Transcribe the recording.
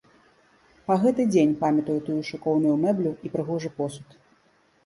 Па гэты дзень памятаю тую шыкоўную мэблю і прыгожы посуд.